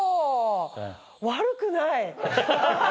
悪くない。